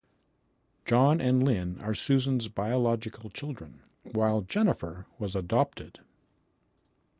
John and Lynn are Susan's biological children, while Jennifer was adopted.